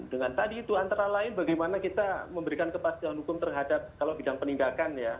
dengan tadi itu antara lain bagaimana kita memberikan kepastian hukum terhadap kalau bidang penindakan ya